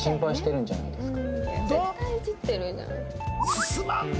進まんね！